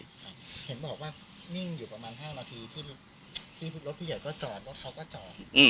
เห็นบอกว่านิ่งอยู่ประมาณ๕นาทีที่รถผู้ใหญ่ก็จอดรถเขาก็จอด